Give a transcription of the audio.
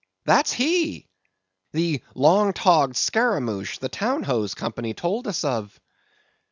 that's he!—the long togged scaramouch the Town Ho's company told us of!"